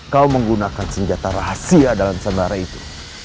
kau menggunakan senjata rahasia dalam sementara itu